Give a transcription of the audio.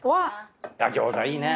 餃子いいね。